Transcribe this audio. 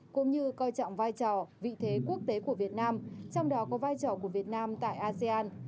cũng như coi trọng vai trò vị thế quốc tế của việt nam trong đó có vai trò của việt nam tại asean